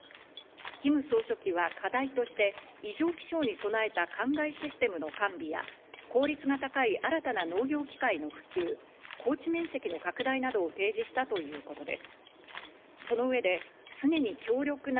キム総書記は課題として異常気象に備えた灌漑システムの完備や、効率が高い新たな農業機械の普及、耕地面積の拡大などを提示したということです。